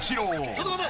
「ちょっと待て。